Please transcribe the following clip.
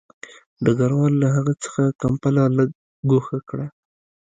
ډګروال له هغه څخه کمپله لږ ګوښه کړه